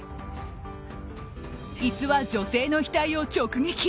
椅子は、女性の額を直撃。